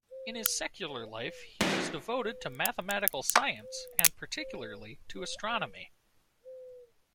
In his secular life he was devoted to mathematical science, and particularly to astronomy.